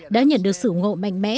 đã nhận được sự ngộ mạnh mẽ